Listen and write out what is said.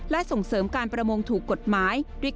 และส่งเสริมการประมงถูกกฎหมาย